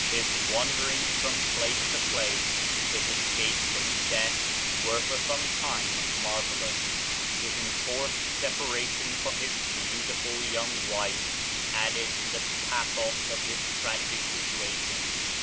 His wanderings from place to place, his escapes from death were for some time marvel ous. His enforced separation from his beauti ful young wife added to the pathos of this tragic situation.